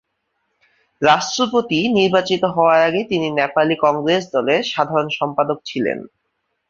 রাষ্ট্রপতি নির্বাচিত হওয়ার আগে তিনি নেপালি কংগ্রেস দলের সাধারণ সম্পাদক ছিলেন।